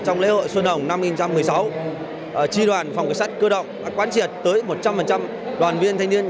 trong lễ hội xuân hồng năm hai nghìn một mươi sáu tri đoàn phòng cảnh sát cơ động đã quán triệt tới một trăm linh đoàn viên thanh niên